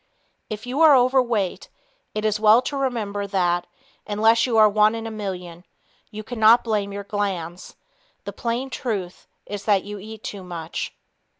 If you are overweight, it is well to remember that (unless you are one in a million) you cannot blame your glands. The plain truth is that you eat too much.